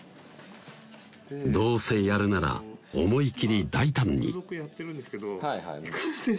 どうせやるなら思い切り大胆にいかんせん